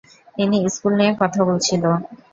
তিনি স্কুল নিয়ে কথা বলছিল।